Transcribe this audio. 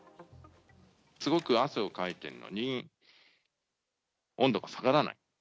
すごく汗をかいているのに、温度が下がらない。